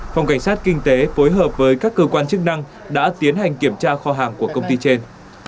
phòng cảnh sát kinh tế phối hợp với các cơ quan chức năng đã tiến hành kiểm tra kho hàng của công ty trên